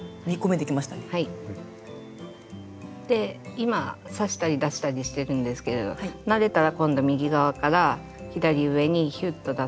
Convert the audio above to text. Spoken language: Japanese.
今刺したり出したりしてるんですけれど慣れたら今度右側から左上にヒュッと出すと。